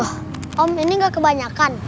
om ini gak kebanyakan